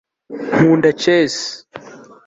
nkunda chess